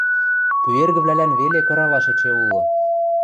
Пӱэргӹвлӓлӓн веле кыралаш эче улы.